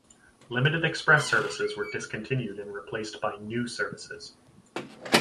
"Limited Express" services were discontinued and replaced by new services.